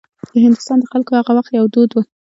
د هندوستان د خلکو هغه وخت یو دود و.